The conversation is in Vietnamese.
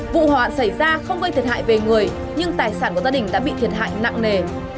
vụ hỏa hoạn xảy ra không gây thiệt hại về người nhưng tài sản của gia đình đã bị thiệt hại nặng nề